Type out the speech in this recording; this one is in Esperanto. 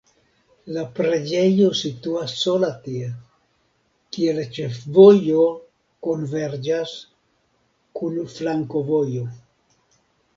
La preĝejo situas sola tie, kie la ĉefvojo konverĝas kun flankovojo.